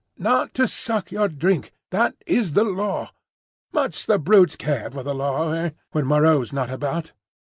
"'Not to suck your drink; that is the Law.' Much the brutes care for the Law, eh? when Moreau's not about!"